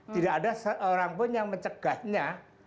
tidak ada seorang pun yang mencegahnya